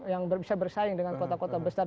yang bisa bersaing dengan kota kota besar